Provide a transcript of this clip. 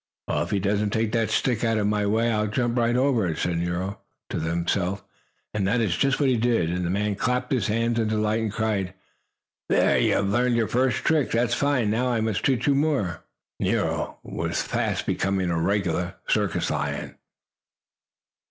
"Well, if he doesn't take that stick out of my way I'll jump right over it!" said Nero to himself. And that is just what he did, and the man clapped his hands in delight, and cried: "There! You have learned your first trick! That's fine! Now I must teach you more!" Nero was fast becoming a regular circus lion.